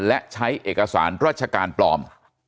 และใช้เอกสารราชการปลอม